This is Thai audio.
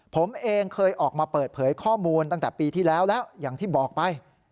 ผมเองเคยออกมาเปิดเผยข้อมูลตั้งแต่ปีที่แล้วแล้วอย่างที่บอกไป